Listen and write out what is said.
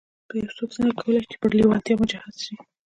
يو څوک څنګه کولای شي چې پر لېوالتیا مجهز شي.